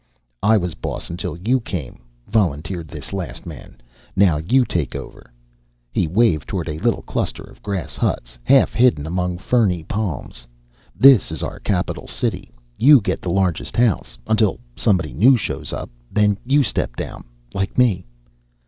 "I was boss until you came," volunteered this last man. "Now you take over." He waved toward a little cluster of grass huts, half hidden among ferny palms. "This is our capital city. You get the largest house until somebody new shows up. Then you step down, like me."